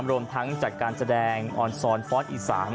รวมทั้งจัดการแสดงออนซอนฟอสอีสาน